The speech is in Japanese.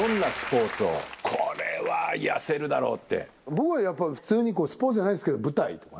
僕はやっぱり普通にスポーツじゃないんですけど森川）